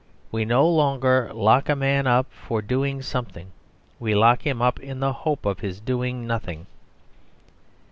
We no longer lock a man up for doing something; we lock him up in the hope of his doing nothing.